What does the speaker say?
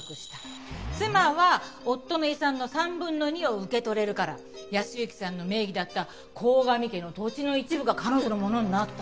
妻は夫の遺産の３分の２を受け取れるから靖之さんの名義だった鴻上家の土地の一部が彼女のものになったのよ。